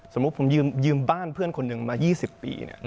สมมุติผมยืมบ้านเพื่อนคนหนึ่งมา๒๐ปี